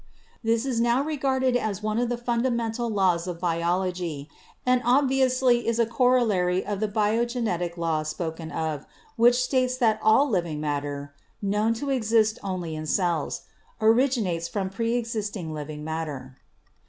This is now regarded as one of the fundamental laws of biology and obviously is a corollary of the biogenetic law spoken of which states that all living matter (known to exist only in cells) origi nates from preexisting living matter.